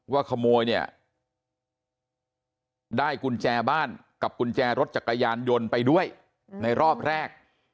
ว่าขโมยเนี่ยได้กุญแจบ้านกับกุญแจรถจักรยานยนต์ไปด้วยในรอบแรก